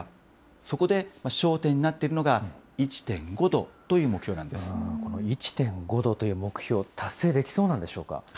そこで焦点になっているのが、１．この１．５度という目標、達成できそうなんでしょうか。